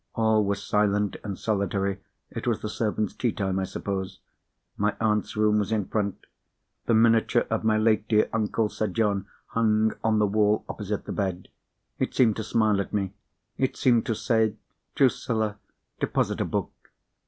All was silent and solitary—it was the servants' tea time, I suppose. My aunt's room was in front. The miniature of my late dear uncle, Sir John, hung on the wall opposite the bed. It seemed to smile at me; it seemed to say, "Drusilla! deposit a book."